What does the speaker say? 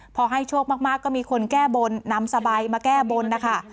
พอให้โชคมากก็มีคนแก้บนนำสบายมาแก้บนนะคะ